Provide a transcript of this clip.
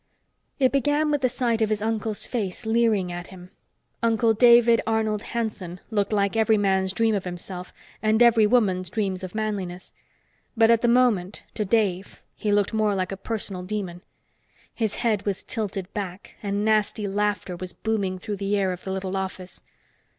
It began with the sight of his uncle's face leering at him. Uncle David Arnold Hanson looked like every man's dream of himself and every woman's dreams of manliness. But at the moment, to Dave, he looked more like a personal demon. His head was tilted back and nasty laughter was booming through the air of the little office.